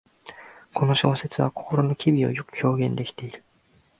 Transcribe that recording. この小説は心の機微をよく表現できている